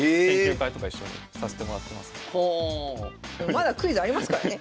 まだクイズありますからね。